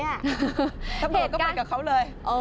ตำรวจก็ไปกับเขาเลย